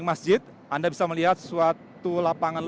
jemaah yang berjalan